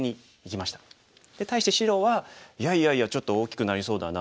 対して白は「いやいやいやちょっと大きくなりそうだな。